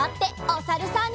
おさるさん。